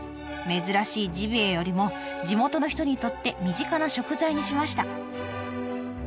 珍しいジビエよりも地元の人にとって身近な食材にしました。